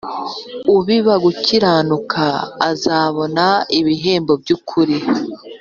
ubiba gukiranuka azabona ibihembo by’ukuri